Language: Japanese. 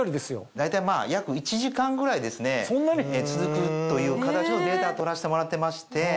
大体約１時間ぐらいですね続くという形のデータを取らせてもらってまして。